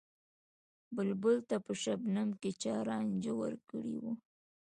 بلبل ته په شبنم کــــې چا رانجه ور کـــړي وو